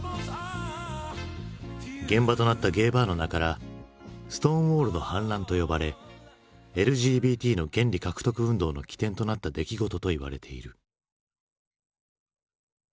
現場となったゲイバーの名から「ストーンウォールの反乱」と呼ばれＬＧＢＴの権利獲得運動の起点となった出来事といわれている。